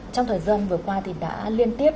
trong thời gian vừa qua đã liên tiếp